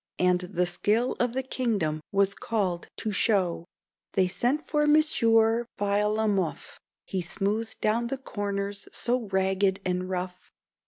And the skill of the kingdom was called to show. They sent for Monsieur File 'em off; He smoothed down the corners so ragged and rough.